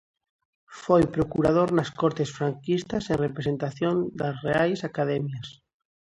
Foi procurador nas Cortes franquistas, en representación das Reais Academias.